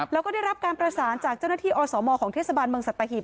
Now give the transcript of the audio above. แล้วก็ได้รับการประสานจากเจ้าหน้าที่อสมของเทศบาลเมืองสัตหีบ